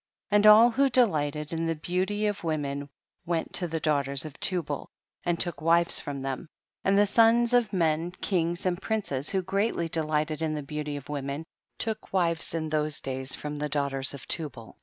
6. And all who deliglited in the beauty of women went to the daugh ters of Tubal and took wives from them, and the sons of men, kings and princes, who greatly delighted in the beauty of women, took ivives in those days from the daughters of Tubal.